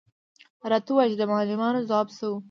_راته ووايه چې د معلمانو ځواب څه و؟